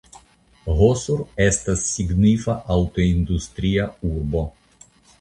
Hosur estas signifa aŭtoindustria urbo.